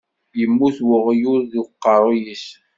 Yemmut weɣyul deg uqeṛṛuy-is.